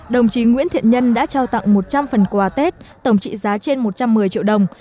đồng chí nguyễn thiện nhân đã trao tặng một trăm linh phần quà tết tổng trị giá trên một trăm một mươi triệu đồng